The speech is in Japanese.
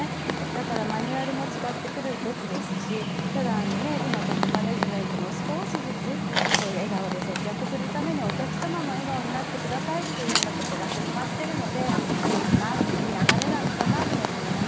だからマニュアルも違ってくるべきですし、ただ、今、トップマネジメントも少しずつそういう笑顔で接客するために、お客様も笑顔になってくださいというようなことが始まっているので、いいのかなって、いい流れなのかなって思います。